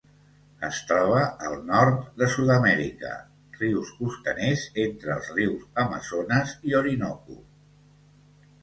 Es troba al nord de Sud-amèrica: rius costaners entre els rius Amazones i Orinoco.